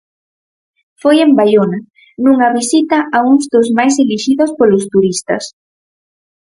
Foi en Baiona, nunha visita a uns dos máis elixidos polos turistas.